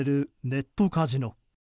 ネットカジノ。